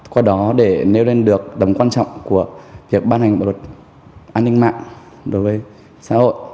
qua đó để nêu lên được tầm quan trọng của việc ban hành luật an ninh mạng đối với xã hội